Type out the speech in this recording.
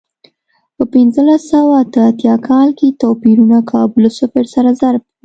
په پنځلس سوه اته اتیا کال کې توپیرونه کابو له صفر سره ضرب و.